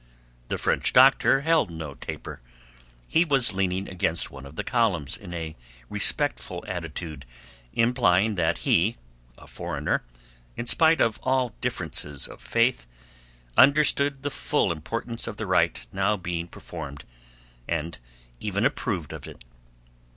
The French doctor held no taper; he was leaning against one of the columns in a respectful attitude implying that he, a foreigner, in spite of all differences of faith, understood the full importance of the rite now being performed and even approved of it.